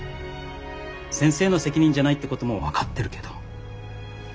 先生の責任じゃないってことも分かってるけど。